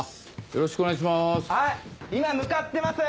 よろしくお願いします。